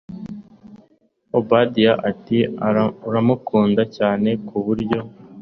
obedia ati uramukunda cyane kuburyo